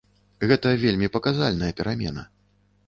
Гэта вельмі паказальная перамена.